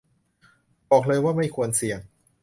บอกเลยว่าไม่ควรเสี่ยง